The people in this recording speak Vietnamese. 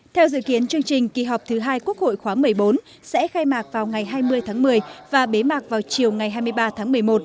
theo dự kiến chương trình kỳ họp thứ hai quốc hội khóa một mươi bốn sẽ khai mạc vào ngày hai mươi tháng một mươi và bế mạc vào chiều ngày hai mươi ba tháng một mươi một